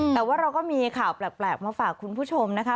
แต่ว่าเราก็มีข่าวแปลกมาฝากคุณผู้ชมนะคะ